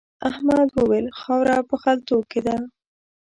احمد وويل: خاوره په خلتو کې ده.